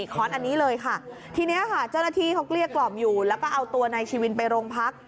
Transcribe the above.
ค้อนอันนี้เลยค่ะทีนี้ค่ะเจ้าหน้าที่เขาเกลี้ยกล่อมอยู่แล้วก็เอาตัวนายชีวินไปโรงพัก